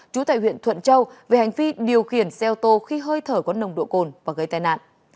trú tại huyện thuận châu về hành vi điều khiển xe ô tô khi hơi thở có nồng độ cồn và gây tai nạn